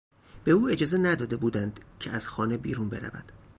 به او اجازه نداده بودند که از خانه بیرون برود.